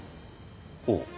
ほう。